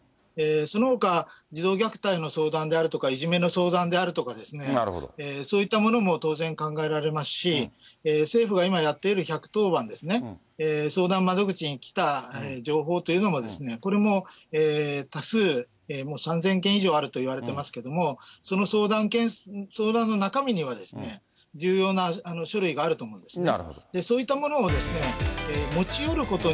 そのほか、児童虐待の相談であるとか、いじめの相談であるとかですね、そういったものも当然考えられますし、政府が今やっている１１０番ですね、相談窓口に来た情報というのも、これも多数、もう３０００件以上あるといわれてますけれども、その相談の中身には、重要な書類があると思うんですね。